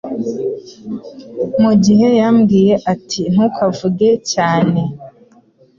mu gihe yambwiye ati Ntukavuge cyane